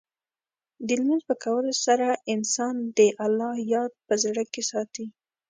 د لمونځ په کولو سره، انسان د الله یاد په زړه کې ساتي.